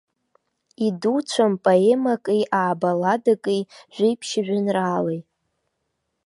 Идуцәам поемаки, аа-балладаки, жәиԥшь жәеинраалеи.